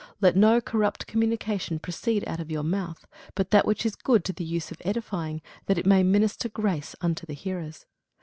Let no corrupt communication proceed out of your mouth, but that which is good to the use of edifying, that it may minister grace unto the hearers.